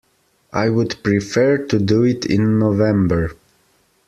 I would prefer to do it in November.